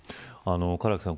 唐木さん